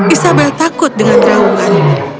isabel takut dengan terawangan